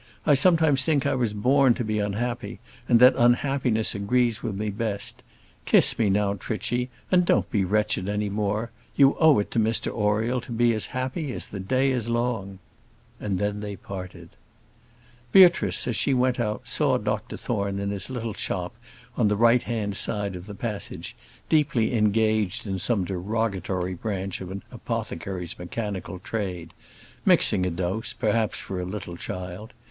I sometimes think I was born to be unhappy, and that unhappiness agrees with me best. Kiss me now, Trichy, and don't be wretched any more. You owe it to Mr Oriel to be as happy as the day is long." And then they parted. Beatrice, as she went out, saw Dr Thorne in his little shop on the right hand side of the passage, deeply engaged in some derogatory branch of an apothecary's mechanical trade; mixing a dose, perhaps, for a little child.